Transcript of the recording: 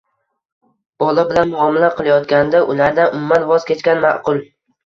bola bilan muomala qilayotganda ulardan umuman voz kechgan ma’qul.